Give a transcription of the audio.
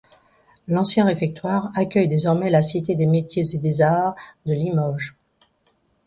L'ancien réfectoire accueille désormais la cité des métiers et des arts de Limoges.